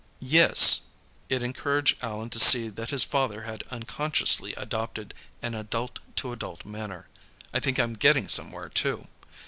"Yes." It encouraged Allan to see that his father had unconsciously adopted an adult to adult manner. "I think I'm getting somewhere, too.